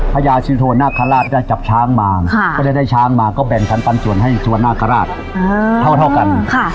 พญาชินโทนาคาราชได้จับช้างมาก็เลยได้ช้างมาก็แบ่งขันปันส่วนให้ส่วนนาคาราชเท่ากัน